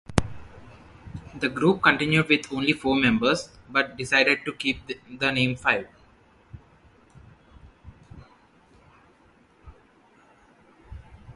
The group continued with only four members, but decided to keep the name Five.